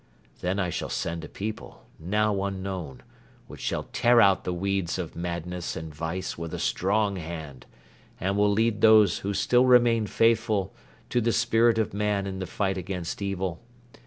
Then I shall send a people, now unknown, which shall tear out the weeds of madness and vice with a strong hand and will lead those who still remain faithful to the spirit of man in the fight against Evil.